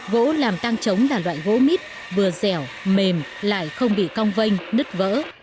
gỗ làm tăng trống là loại gỗ mít vừa dẻo mềm lại không bị cong vênh nứt vỡ